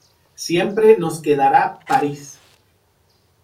Siempre nos quedará París